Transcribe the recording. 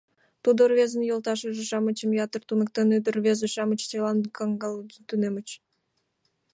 Тудо рвезе йолташыже-шамычым ятыр туныктен, ӱдыр-рвезе-шамыч чыланат кнагалан тунемыч...